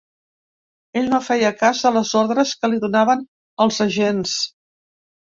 Ell no feia cas de les ordres que li donaven els agents.